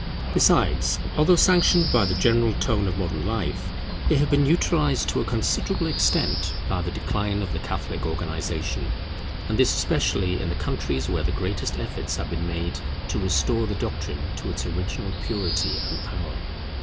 Besides, although sanctioned by the general tone of modern life, they have been neutralized to a considerable extent by the decline of the Catholic organization, and this especially in the countries where the greatest efforts have been made to restore the doctrine to its original purity and power.